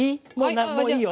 もういいよ。